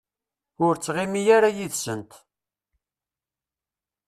Ur ttɣimi ara yid-sent.